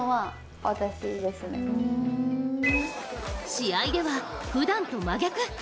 試合では、ふだんと真逆。